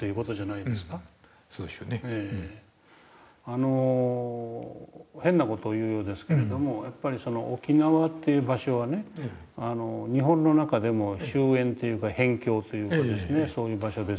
あの変な事を言うようですけれどもやっぱり沖縄っていう場所はね日本の中でも周縁というか辺境というかですねそういう場所ですよね。